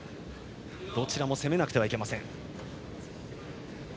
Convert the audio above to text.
どちらも攻めなくてはいけません。